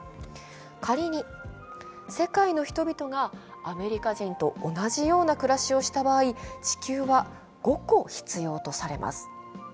仮に世界の人々がアメリカ人と同じような暮らしをした場合地球は５個、必要とされます。